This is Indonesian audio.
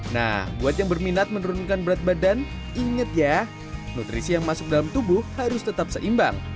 nah buat yang berminat menurunkan berat badan ingat ya nutrisi yang masuk dalam tubuh harus tetap seimbang